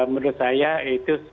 menurut saya itu